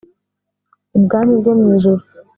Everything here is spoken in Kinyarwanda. ubwami bwo mu ijuru.